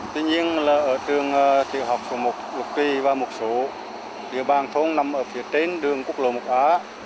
tuy nhiên là ở trường thiệu học của một lục trì và một số địa bàn thông nằm ở phía trên đường quốc lộ một a